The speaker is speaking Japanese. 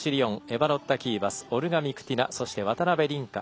エバロッタ・キーバスオルガ・ミクティナ、渡辺倫果